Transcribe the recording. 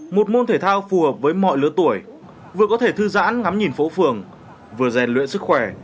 một môn thể thao phù hợp với mọi lứa tuổi vừa có thể thư giãn ngắm nhìn phố phường vừa rèn luyện sức khỏe